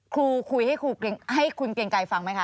ครูคุยให้คุณเกรงไกรฟังไหมคะ